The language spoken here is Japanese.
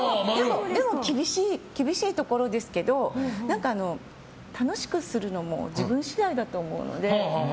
でも、厳しいところですけど楽しくするのも自分次第だと思うので。